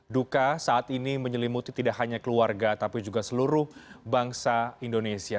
duka saat ini menyelimuti tidak hanya keluarga tapi juga seluruh bangsa indonesia